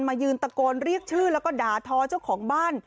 ยืนตะโกนเรียกชื่อแล้วก็ด่าทอเจ้าของบ้าน